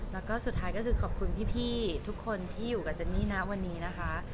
แล้วก็สุดท้ายก็คือขอบคุณพี่ทุกคนที่อยู่กับเจนนี่นะวันนี้นะคะ